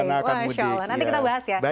nanti kita bahas ya